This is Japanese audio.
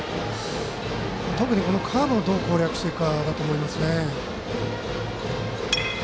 特にカーブをどう攻略していくかだと思いますね。